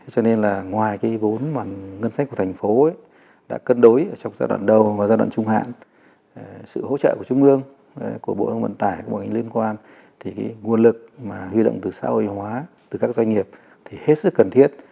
cho nên là ngoài cái vốn mà ngân sách của thành phố đã cân đối trong giai đoạn đầu và giai đoạn trung hạn sự hỗ trợ của trung ương của bộ hương vận tải của bộ ngành liên quan thì nguồn lực mà huy động từ xã hội hóa từ các doanh nghiệp thì hết sức cần thiết